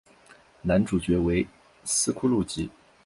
男主角为斯库路吉。